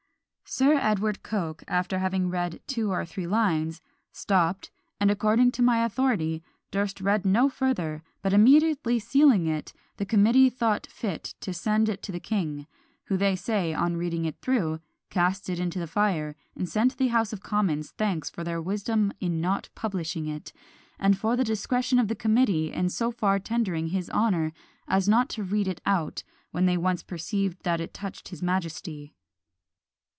Sir Edward Coke, after having read two or three lines, stopped, and according to my authority, "durst read no further, but immediately sealing it, the committee thought fit to send it to the king, who they say, on reading it through, cast it into the fire, and sent the House of Commons thanks for their wisdom in not publishing it, and for the discretion of the committee in so far tendering his honour, as not to read it out, when they once perceived that it touched his majesty."